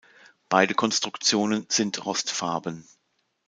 Beide Konstruktionen sind rostfarben.